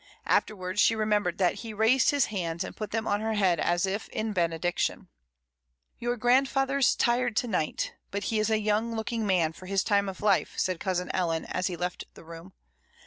Afterwards she re membered that he raised his hands and put them on her head, as if in benediction. "Your grandfather's tired to night; but he is a young looking man for his time of life," said cousin Ellen, as he left the room.